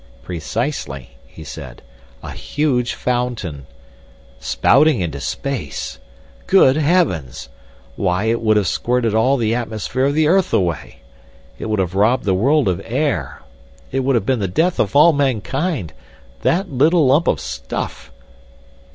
"Precisely," he said. "A huge fountain—" "Spouting into space! Good heavens! Why, it would have squirted all the atmosphere of the earth away! It would have robbed the world of air! It would have been the death of all mankind! That little lump of stuff!"